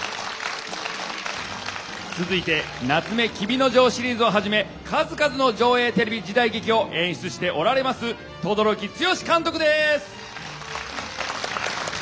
続いて「棗黍之丞」シリーズをはじめ数々の条映テレビ時代劇を演出しておられます轟強監督です！